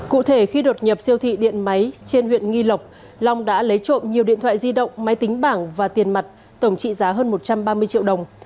cụ thể khi đột nhập siêu thị điện máy trên huyện nghi lộc long đã lấy trộm nhiều điện thoại di động máy tính bảng và tiền mặt tổng trị giá hơn một trăm ba mươi triệu đồng